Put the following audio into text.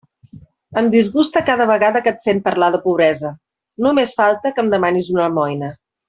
Em disguste cada vegada que et sent parlar de pobresa; només falta que em demanes una almoina.